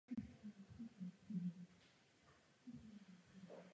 To je v naprostém rozporu s udržitelností v sociálním smyslu.